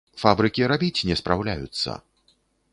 Фабрыкі рабіць не спраўляюцца.